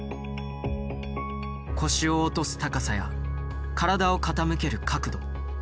腰を落とす高さや体を傾ける角度。